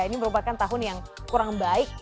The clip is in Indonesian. ini merupakan tahun yang kurang baik